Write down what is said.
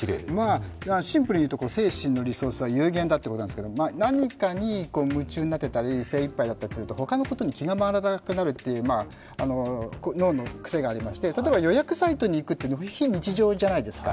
シンプルに言うと、精神のリソースは有限だということですが、何かに夢中になっていたり精一杯になっているとほかのことに気が回らなくなるという脳の癖がありまして、例えば予約サイトに行くって、非日常じゃないですか。